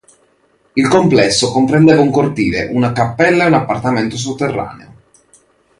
Il complesso comprendeva un cortile, una cappella e un appartamento sotterraneo.